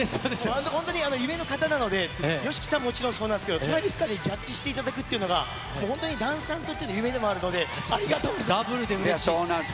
本当に夢の方なので、ＹＯＳＨＩＫＩさんももちろんそうなんですけど、Ｔｒａｖｉｓさんにジャッジしていただくというのが、ダンサーにとっての夢でもあるので、ありがとうございます。